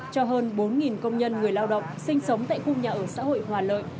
cho hơn bốn công nhân người lao động sinh sống tại khu nhà ở xã hội hòa lợi